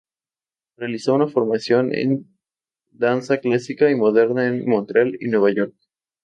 Realizó una formación en danza clásica y moderna en Montreal y Nueva York.